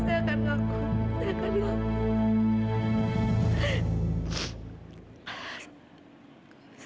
saya akan laku saya akan laku